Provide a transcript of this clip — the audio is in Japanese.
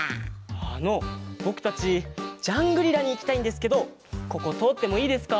あのぼくたちジャングリラにいきたいんですけどこことおってもいいですか？